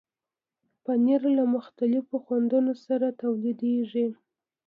پنېر له مختلفو خوندونو سره تولیدېږي.